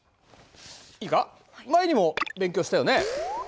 いいか前にも勉強したよね？